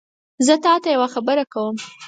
زه تاته یوه خبره کوم